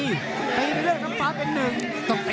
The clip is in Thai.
ตีเรื่องกล้ามฟ้าเป็นหนึ่ง